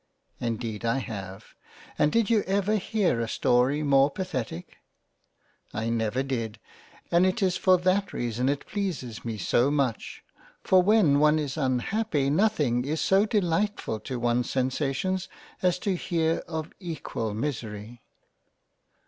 " Indeed I have ; and did you ever hear a story more pathetic ?"" I never did — and it is for that reason it pleases me so much, for when one is unhappy nothing is so delightful to one's sensations as to hear of equal misery."